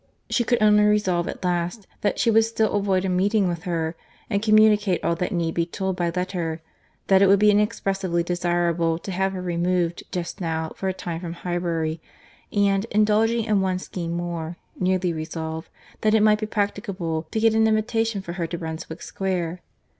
—She could only resolve at last, that she would still avoid a meeting with her, and communicate all that need be told by letter; that it would be inexpressibly desirable to have her removed just now for a time from Highbury, and—indulging in one scheme more—nearly resolve, that it might be practicable to get an invitation for her to Brunswick Square.